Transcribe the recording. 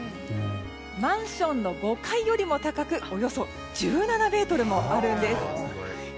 マンションの５階よりも高くおよそ１７ｍもあるんです。